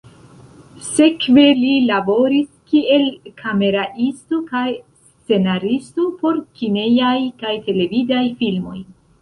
Sekve li laboris kiel kameraisto kaj scenaristo por kinejaj kaj televidaj filmoj.